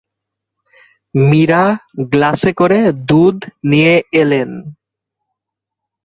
মীরা গ্লাসে করে দুধ নিয়ে এলেন।